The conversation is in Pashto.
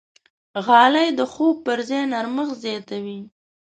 غالۍ د خوب پر ځای نرمښت زیاتوي.